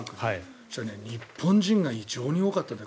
そうしたら日本人が異常に多かったと。